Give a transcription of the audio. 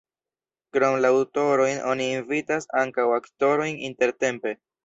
Krom la aŭtorojn oni invitas ankaŭ aktorojn intertempe.